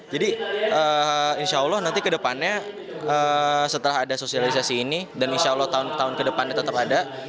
jadi insya allah nanti ke depannya setelah ada sosialisasi ini dan insya allah tahun tahun ke depannya tetap ada